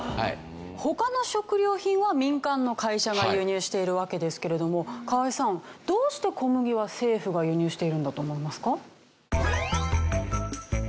他の食料品は民間の会社が輸入しているわけですけれども河合さんどうして小麦は政府が輸入しているんだと思いますか？